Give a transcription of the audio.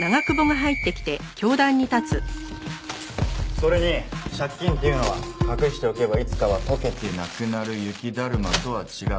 それに借金っていうのは隠しておけばいつかは解けてなくなる雪だるまとは違う。